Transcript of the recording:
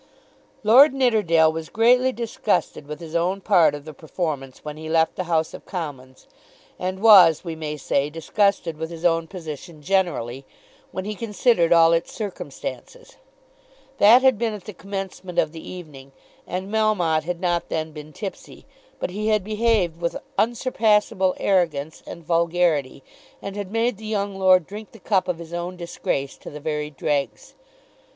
Lord Nidderdale was greatly disgusted with his own part of the performance when he left the House of Commons, and was, we may say, disgusted with his own position generally, when he considered all its circumstances. That had been at the commencement of the evening, and Melmotte had not then been tipsy; but he had behaved with unsurpassable arrogance and vulgarity, and had made the young lord drink the cup of his own disgrace to the very dregs.